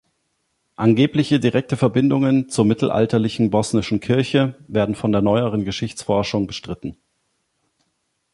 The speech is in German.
Angebliche direkte Verbindungen zur mittelalterlichen Bosnischen Kirche werden von der neueren Geschichtsforschung bestritten.